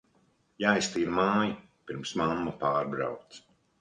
Jāiztīra māja, pirms mamma pārbrauc.